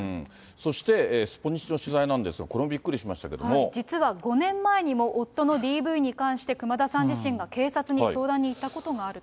そして、スポニチの取材なんですけど、これもびっくりしまし実は５年前にも、夫のＤＶに関して、熊田さん自身が警察に相談に行ったことがあると。